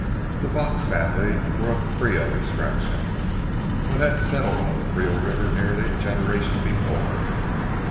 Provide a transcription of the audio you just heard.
The Vaux family were of creole extraction, but had settled on the Frio River nearly a generation before.